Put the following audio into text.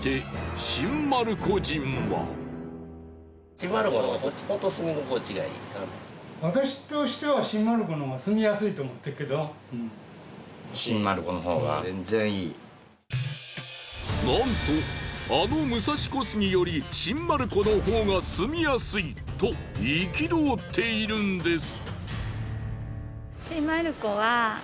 一方のその私としてはなんとあの武蔵小杉より新丸子の方が住みやすいと憤っているんです。